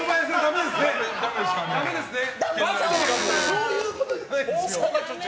そういうことじゃないんです。